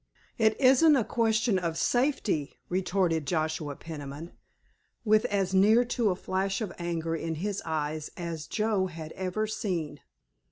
"It isn't a question of safety," retorted Joshua Peniman with as near to a flash of anger in his eyes as Joe had ever seen.